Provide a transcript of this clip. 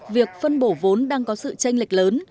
việc phân bổ vốn đang có sự tranh lệch lớn